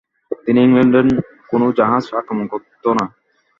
তিনি ইংল্যান্ডের কোন জাহাজ আক্রমণ করত না।